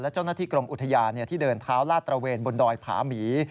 เจ้าหน้าที่กรมอุทยานที่เดินเท้าลาดตระเวนบนดอยผาหมี